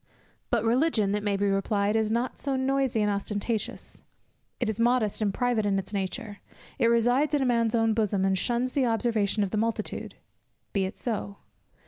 But Religion, it may be replied, is not noisy and ostentatious; it is modest and private in its nature; it resides in a man's own bosom, and shuns the observation of the multitude. Be it so.